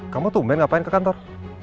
kamu tuh main ngapain ke kantor